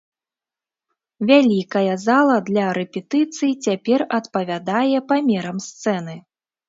Вялікая зала для рэпетыцый, цяпер адпавядае памерам сцэны.